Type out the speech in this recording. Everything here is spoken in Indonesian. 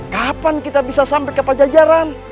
kapan kita bisa sampai ke pajajaran